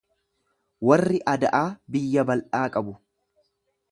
Warri Ada'aa biyya bal'aa qabu.